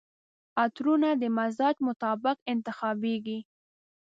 عطرونه د مزاج مطابق انتخابیږي.